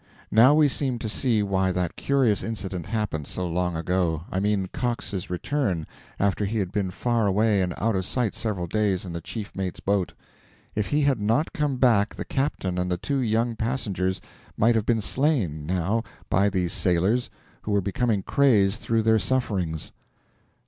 Now we seem to see why that curious incident happened, so long ago; I mean Cox's return, after he had been far away and out of sight several days in the chief mate's boat. If he had not come back the captain and the two young passengers might have been slain, now, by these sailors, who were becoming crazed through their sufferings.